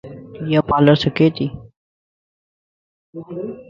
ايا پالر سکي